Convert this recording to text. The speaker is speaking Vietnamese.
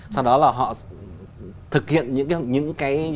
sau đó là họ thực hiện những cái